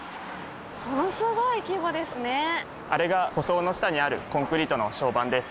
あれが舗装の下にあるコンクリートの床版です。